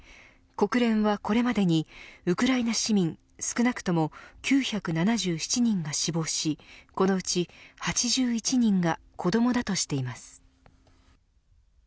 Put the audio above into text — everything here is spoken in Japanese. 国連はこれまでにウクライナ市民少なくとも９７７人が死亡しこのうち８１人が子どもだとしています。